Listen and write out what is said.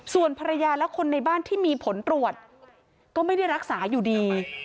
ส่วนภรรยาและคนในบ้านที่มีผลตรวจก็ไม่ได้รักษาอยู่ดี